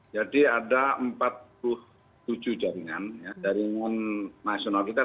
jadi ada empat puluh tujuh jaringan jaringan nasional kita